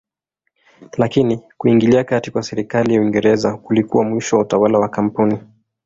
Lakini kuingilia kati kwa serikali ya Uingereza kulikuwa mwisho wa utawala wa kampuni.